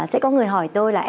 sẽ có người hỏi tôi là